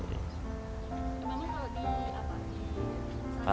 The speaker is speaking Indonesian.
kamu kalau di apa